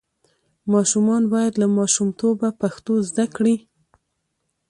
ماشومان باید له ماشومتوبه پښتو زده کړي.